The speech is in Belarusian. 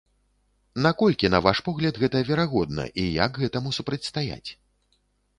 Наколькі, на ваш погляд, гэта верагодна і як гэтаму супрацьстаяць?